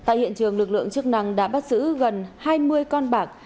tại hiện trường lực lượng chức năng đã bắt giữ gần hai mươi con bạc